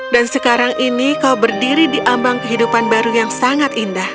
dan sekarang ini kau berdiri di ambang kehidupan baru yang sangat indah